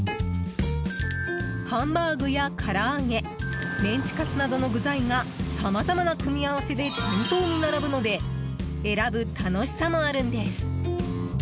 ハンバーグやから揚げメンチカツなどの具材がさまざまな組み合わせで店頭に並ぶので選ぶ楽しさもあるんです。